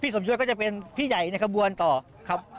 สมยศก็จะเป็นพี่ใหญ่ในขบวนต่อครับ